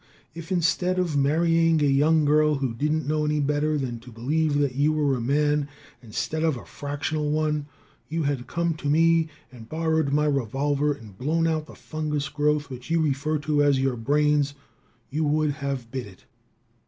If, instead of marrying a young girl who didn't know any better than to believe that you were a man, instead of a fractional one, you had come to me, and borrowed my revolver and blown out the fungus growth which you refer to as your brains, you would have bit it.